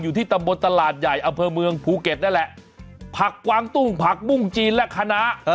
ที่ตำบลตลาดใหญ่อำเภอเมืองภูเก็ตนั่นแหละผักกวางตุ้งผักบุ้งจีนและคณะ